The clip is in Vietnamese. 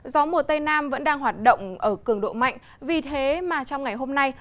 gió mùa tây nam vẫn đang hoạt động ở cường độ mạnh vì thế mà trong ngày hôm nay